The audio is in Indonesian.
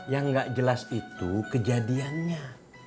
yang gak jelas itu kejadiannya